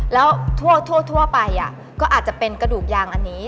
แล้วทั่วไปก็อาจจะเป็นกระดูกยางอันนี้